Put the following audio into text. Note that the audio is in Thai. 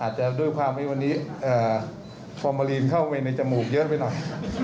อาจจะด้วยความยิ่งวันนี้อ่าฟอร์โมลีนเข้าไว้ในจมูกเยอะไปหน่อย